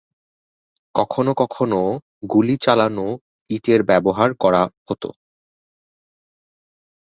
কখনও কখনও গুলি চালানো ইট ব্যবহার করা হত।